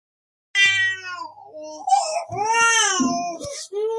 The king is the lineal successor of the old magician or medicine-man.